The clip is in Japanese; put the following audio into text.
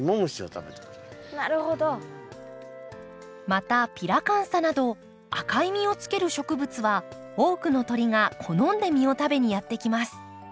またピラカンサなど赤い実をつける植物は多くの鳥が好んで実を食べにやって来ます。